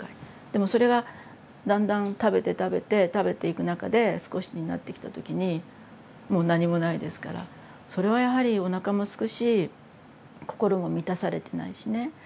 でもそれがだんだん食べて食べて食べていく中で少しになってきた時にもう何もないですからそれはやはりおなかもすくし心も満たされてないしね。